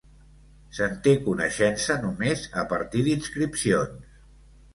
Se'n té coneixença només a partir d'inscripcions.